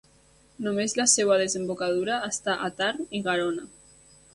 Només la seva desembocadura està a Tarn i Garona.